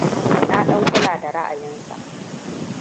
Na ɗan kula da ra'ayinsa.